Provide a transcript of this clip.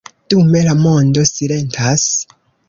Dume la mondo silentas.